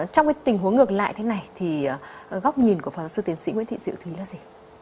trong cái tình huống ngược lại thế này thì góc nhìn của phần sư tiến sĩ nguyễn thị dự thúy là gì